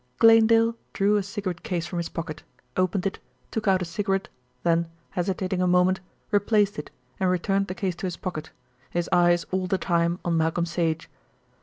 Glanedale drew a cigarette case from his pocket; opened it, took out a cigarette, then, hesitating a moment, replaced it, and returned the case to his pocket, his eyes all the time on Malcolm Sage.